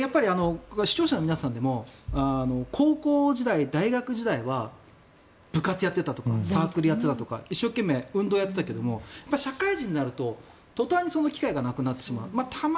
視聴者の皆さんでも高校時代、大学時代は部活をやっていたとかサークルをやっていたとか一生懸命運動をやっていたけれども社会人になるととたんにその機会がなくなってしまう。